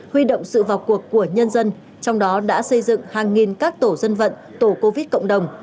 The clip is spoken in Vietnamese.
huy động sự vào cuộc của nhân dân trong đó đã xây dựng hàng nghìn các tổ dân vận tổ covid cộng đồng